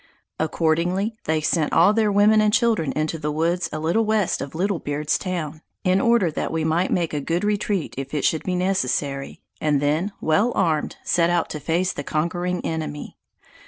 Accordingly they sent all their women and children into the woods a little west of Little Beard's Town, in order that we might make a good retreat if it should be necessary, and then, well armed, set out to face the conquering enemy.